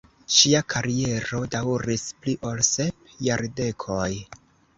Ŝia kariero daŭris pli ol sep jardekoj.